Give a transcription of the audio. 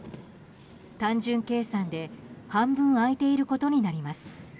単純計算で半分空いていることになります。